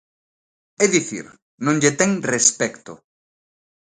É dicir, non lle ten respecto.